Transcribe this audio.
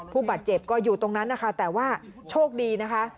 ผู้บาดเจ็บก็อยู่ตรงนั้นนะคะแต่ว่าโชคดีนะคะ